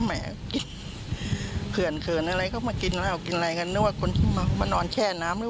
แต่ตาปากกระพาหนี้โดดบ่อยเจอไม่รอด